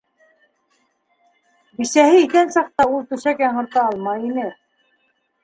Бисәһе иҫән саҡта ул түшәк яңырта алмай ине.